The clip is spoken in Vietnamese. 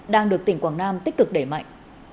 đang được tỉnh quảng nam tích cực đẩy mạnh